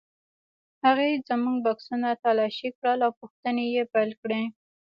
هغې زموږ بکسونه تالاشي کړل او پوښتنې یې پیل کړې.